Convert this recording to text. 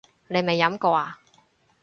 你未飲過呀？